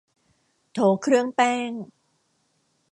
โถเครื่องแป้ง